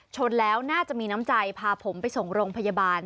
ชนแล้วน่าจะมีน้ำใจพาผมไปส่งโรงพยาบาล